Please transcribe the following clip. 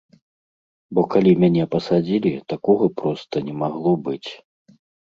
Бо калі мяне пасадзілі, такога проста не магло быць.